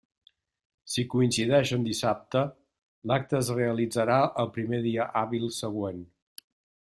Si coincideix en dissabte, l'acte es realitzarà el primer dia hàbil següent.